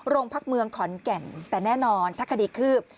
โรงพักเมืองขอนแก่นแต่แน่นอนถ้าคดีคืบ